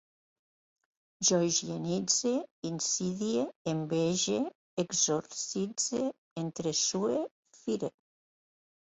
Jo higienitze, insidie, envege, exorcitze, entresue, fire